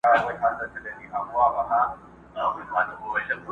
د هغه کيسو په اړه د لوستونکو ترمنځ تل بېلابېل نظرونه موجود وي